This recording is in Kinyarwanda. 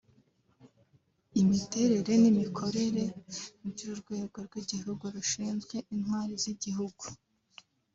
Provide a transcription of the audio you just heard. imiterere n’imikorere by’Urwego rw’Igihugu rushinzwe Intwari z’Igihugu